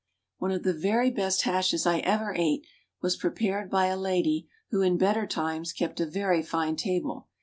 One of the very best hashes I ever ate was prepared by a lady who, in better times, kept a very fine table.